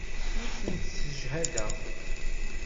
Ur tent-ssejhadeɣ.